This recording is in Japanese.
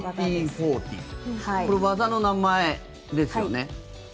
これ、技の名前ですよね。